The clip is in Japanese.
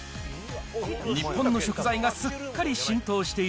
日本の食材がすっかり浸透してい